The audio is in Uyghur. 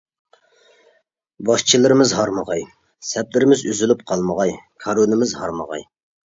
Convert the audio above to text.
باشچىلىرىمىز ھارمىغاي، سەپلىرىمىز ئۈزۈلۈپ قالمىغاي، كارۋىنىمىز ھارمىغاي!